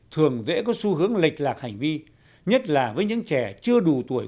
thường dễ có xu hướng lệch lạc hành vi nhất là với những trẻ chưa đủ tuổi